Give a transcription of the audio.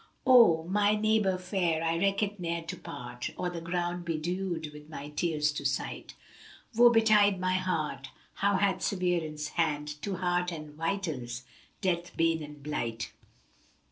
O my neighbour fair, I reckt ne'er to part, * Or the ground bedewed with my tears to sight! Woe betide my heart, now hath Severance hand * To heart and vitals dealt bane and blight."